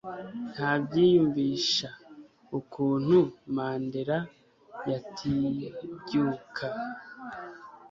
ntabyiyumvisha ukuntu Mandela yatibyuka